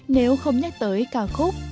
nếu không nhắc tới ca khúc